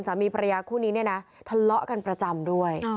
สามีภรรยาคู่นี้เนี่ยนะทะเลาะกันประจำด้วย